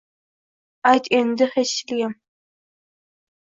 ayt endi hechligim